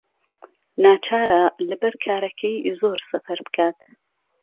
ناچارە لەبەر کارەکەی زۆر سەفەر بکات.